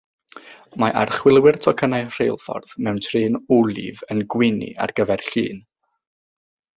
Mae archwiliwr tocynnau rheilffordd mewn trên olif yn gwenu ar gyfer llun